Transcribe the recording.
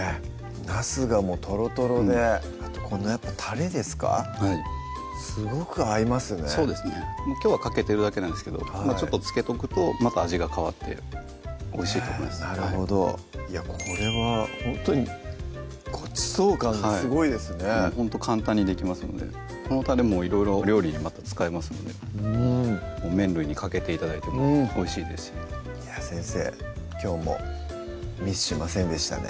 なすがトロトロであとこのたれですかすごく合いますねそうですねきょうはかけてるだけなんですけどちょっと漬けとくとまた味が変わっておいしいと思いますなるほどこれはほんとにごちそう感がすごいですねほんと簡単にできますのでこのたれもいろいろ料理にまた使えますので麺類にかけて頂いてもおいしいですし先生きょうもミスしませんでしたね